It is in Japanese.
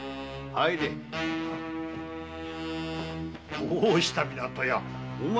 どうした湊屋。